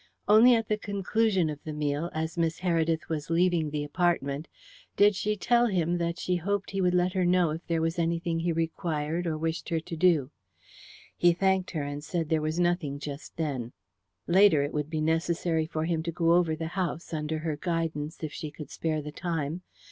Only at the conclusion of the meal, as Miss Heredith was leaving the apartment, did she tell him that she hoped he would let her know if there was anything he required or wished her to do. He thanked her, and said there was nothing just then. Later, it would be necessary for him to go over the house, under her guidance, if she could spare the time.